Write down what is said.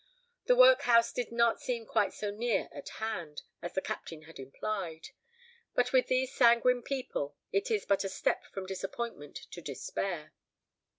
The workhouse did not seem quite so near at hand as the Captain had implied; but with these sanguine people it is but a step from disappointment to despair.